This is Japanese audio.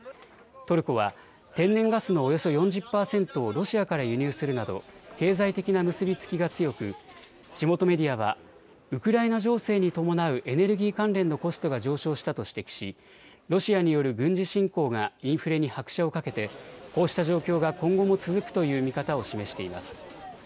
トルコは天然ガスのおよそ４０％をロシアから輸入するなど経済的な結び付きが強く地元メディアはウクライナ情勢に伴うエネルギー関連のコストが上昇したと指摘しロシアによる軍事侵攻がインフレに拍車をかけてこうした状況が今後も続くという見方を示しています。